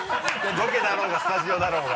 ロケだろうがスタジオだろうが。